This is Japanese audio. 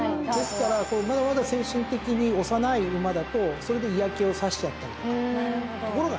ですからまだまだ精神的に幼い馬だとそれで嫌気を差しちゃったりとか。